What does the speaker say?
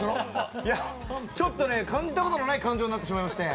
いや、ちょっとね、感じたことのない感情になってしまいまして。